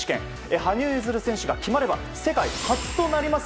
羽生結弦選手が決まれば世界初となります